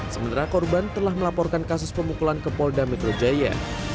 sementara korban telah melaporkan kasus pemukulan ke polda metro jaya